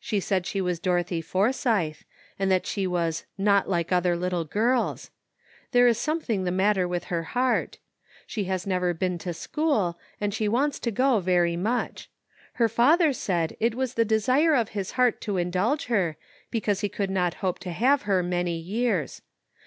She said she was Dorothy Forsythe, and that she was " not like other little girls; " there is something the matter with her heart. She has never been to school, and she wants to go very much. Her father said it was the desire of his heart to indulge her, because he could not hope to have her many years.